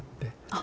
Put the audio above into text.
あ。